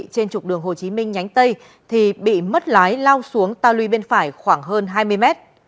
trên trục đường hồ chí minh nhánh tây thì bị mất lái lao xuống tà lưu bên phải khoảng hơn hai mươi m